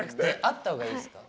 あった方がいいすか？